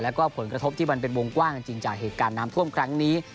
แล้วก็ผลกระทบที่มันเป็นวงกว้างจริงจากเหตุการณ์น้ำท่วมครั้งนี้